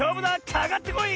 かかってこい！